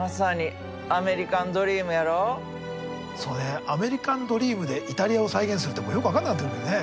そうねアメリカンドリームでイタリアを再現するってもうよく分かんなくなってくるね。